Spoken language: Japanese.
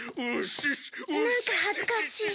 なんか恥ずかしい。